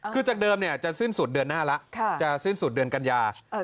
คือจากเดิมจะสิ้นสุดเดือนหน้าแล้วจะสิ้นสุดเดือนกัญญา